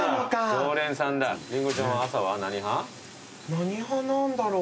何派なんだろう。